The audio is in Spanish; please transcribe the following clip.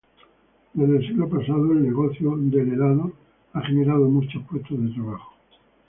Desde el siglo pasado, el negocio del helado ha generado muchos puestos de trabajo.